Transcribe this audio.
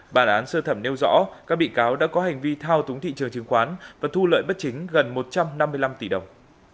bản án sơ thẩm nêu rõ các bị cáo đã có hành vi thao túng thị trường chứng khoán và thu lợi bất chính gần một trăm năm mươi năm tỷ đồng